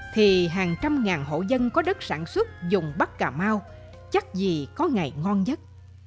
thì hàng trăm ngàn hộ dân có đất sản xuất dùng bắc cà mau chắc gì có ngày ngon nhất